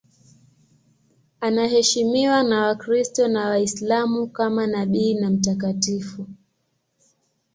Anaheshimiwa na Wakristo na Waislamu kama nabii na mtakatifu.